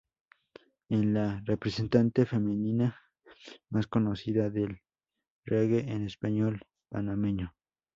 Es la representante femenina más conocida del Reggae en español panameño.